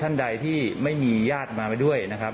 ท่านใดที่ไม่มีญาติมาไปด้วยนะครับ